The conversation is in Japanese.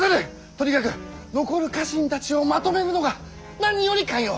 とにかく残る家臣たちをまとめるのが何より肝要。